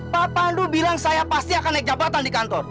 pak pandu bilang saya pasti akan naik jabatan di kantor